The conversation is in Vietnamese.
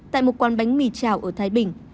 tại một quán bánh mì chảo ở thái bình